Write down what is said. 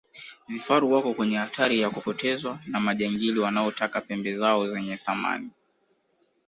vifaru wako kwenye hatari ya kupotezwa na majangili wanataka pembe zao zenye thamani